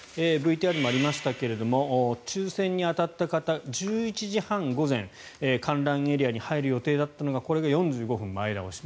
ＶＴＲにもありましたが抽選に当たった方、午前１１時半観覧エリアに入る予定だったのがこれが４５分前倒し。